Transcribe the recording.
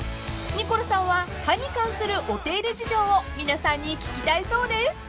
［ニコルさんは歯に関するお手入れ事情を皆さんに聞きたいそうです］